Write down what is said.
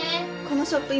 このショップ